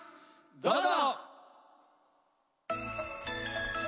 どうぞ！